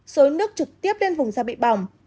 xối nước trực tiếp lên vùng da bị bỏng